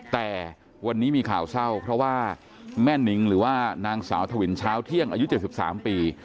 แต่วันนี้มีข่าวเศร้าเพราะว่าแม่นิงหรือว่านางสาวถวินเช้าเที่ยงอายุ๗๓ปี